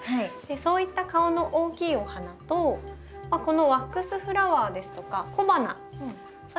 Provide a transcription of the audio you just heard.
そういった顔の大きいお花とこのワックスフラワーですとか小花そして線がきれいなお花。